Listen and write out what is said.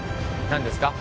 何ですか？